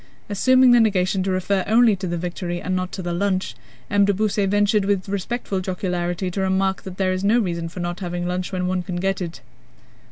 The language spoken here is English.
Assuming the negation to refer only to the victory and not to the lunch, M. de Beausset ventured with respectful jocularity to remark that there is no reason for not having lunch when one can get it.